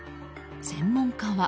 専門家は。